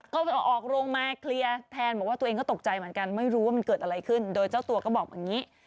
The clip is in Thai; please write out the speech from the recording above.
ก็ออกโรงมาเคลียร์แทนบอกว่าตัวเองก็ตกใจเหมือนกันไม่รู้ว่ามันเกิดอะไรขึ้นโดยเจ้าตัวก็บอกอย่างนี้